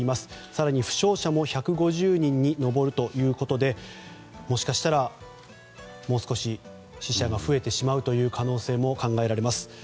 更に負傷者も１５０人に上るということでもしかしたらもう少し死者が増えてしまう可能性も考えられます。